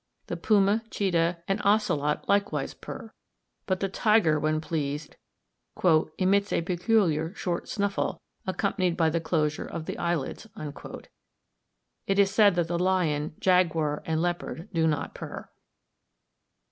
The puma, cheetah, and ocelot likewise purr; but the tiger, when pleased, "emits a peculiar short snuffle, accompanied by the closure of the eyelids." It is said that the lion, jaguar, and leopard, do not purr.